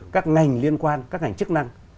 các ngành liên quan các ngành chức năng